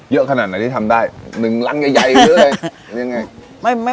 เยอะขนาดไหนที่ทำได้หนึ่งรั้งใหญ่เลย